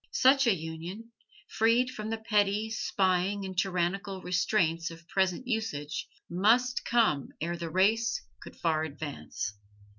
Such a union, freed from the petty, spying and tyrannical restraints of present usage, must come ere the race could far advance.